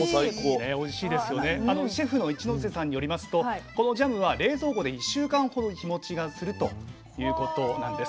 シェフの一ノ瀬さんによりますとこのジャムは冷蔵庫で１週間ほど日もちがするということなんです。